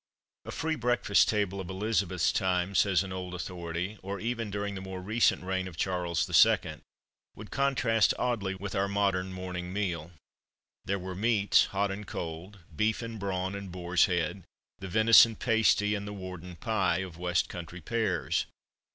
"A free breakfast table of Elizabeth's time," says an old authority, "or even during the more recent reign of Charles II., would contrast oddly with our modern morning meal. There were meats, hot and cold; beef and brawn, and boar's head, the venison pasty, and the Wardon Pie of west country pears.